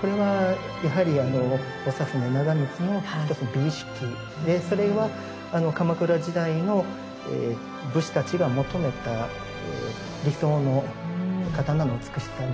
これはやはりあの長船長光の一つの美意識でそれは鎌倉時代の武士たちが求めた理想の刀の美しさでもあったんだと思うんですよね。